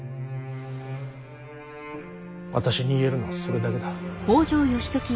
私に言えるのはそれだけだ。